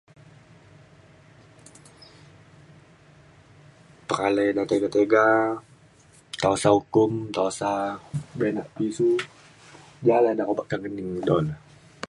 pekalai ne tega tega tosa ukum tosa benak pisu ja le eda obak ke ngening do le.